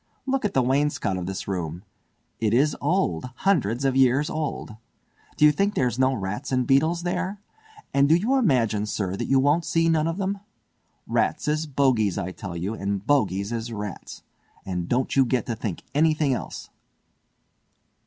Look at the wainscot of the room! It is old—hundreds of years old! Do you think there's no rats and beetles there! And do you imagine, sir, that you won't see none of them? Rats is bogies, I tell you, and bogies is rats; and don't you get to think anything else!"